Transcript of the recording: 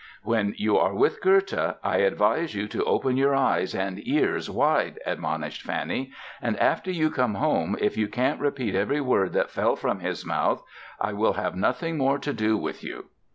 "When you are with Goethe, I advise you to open your eyes and ears wide", admonished Fanny; "and after you come home, if you can't repeat every word that fell from his mouth, I will have nothing more to do with you!"